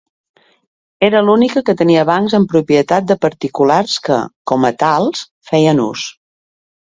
Era l'única que tenia bancs en propietat de particulars que, com a tals, feien ús.